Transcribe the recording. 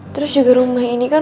terus juga rumah ini kan